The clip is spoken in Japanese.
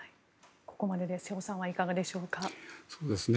ここまでで瀬尾さんはいかがでしょうか。